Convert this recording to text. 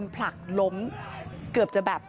กลับมารับทราบ